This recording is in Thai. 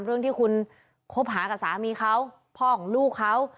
เรื่องที่คุณคบหากับสามีเขาพ่อของลูกเขา